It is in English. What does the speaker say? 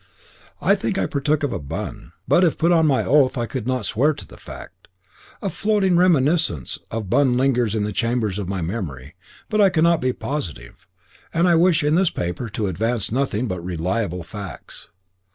I think that I partook of a bun, but if put on my oath I could not swear to the fact; a floating reminiscence of bun lingers in the chambers of memory, but I cannot be positive, and I wish in this paper to advance nothing but reliable facts.